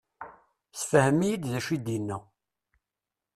Sefhem-iyi-d d acu i d-inna.